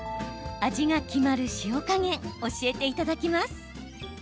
味が決まる塩加減教えていただきます。